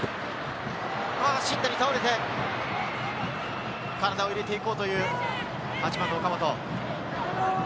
新谷倒れて、体を入れていこうという岡本。